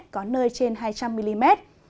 có nơi trên hai trăm linh mm